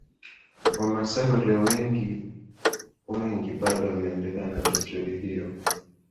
Wamasai walio wengi bado wameendelea na desturi hiyo